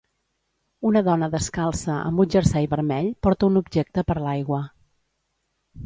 Una dona descalça amb un jersei vermell porta un objecte per l'aigua.